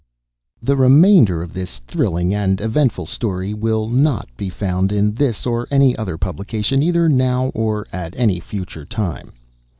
[The remainder of this thrilling and eventful story will NOT be found in this or any other publication, either now or at any future time.